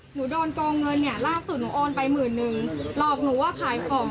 โดนโกงเงินเนี่ยล่าสุดหนูโอนไปหมื่นนึงหลอกหนูว่าขายของ